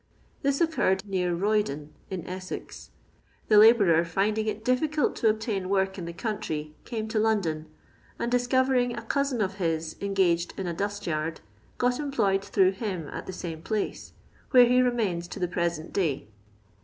This occurred near Roydon, in Essex. The labourer, finding it difficult to obtain work in the country, came to London, and, dis covering a cousin of his engaged in a dust yard, got employed through him at the same place, where he remains to the present day.